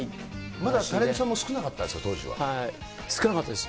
まだタレントさんも少なかっ少なかったです。